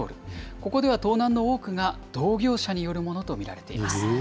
ここでは盗難の多くが同業者によるものと見られています。